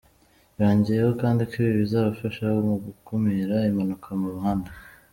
Yongeyeho kandi ko ibi bizafasha mu gukumira impanuka mu muhanda.